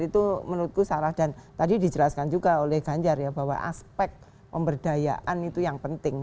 itu menurutku salah dan tadi dijelaskan juga oleh ganjar ya bahwa aspek pemberdayaan itu yang penting